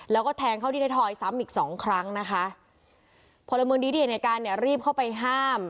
แล้วก็แทงเข้าที่ไทยทอยซ้ำอีกสองครั้งนะคะพลเมืองดีที่เห็นในการเนี่ยรีบเข้าไปห้าม